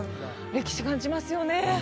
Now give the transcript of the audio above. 歴史感じますよね